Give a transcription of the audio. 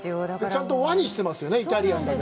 ちゃんと和にしていますよね、イタリアンだけど。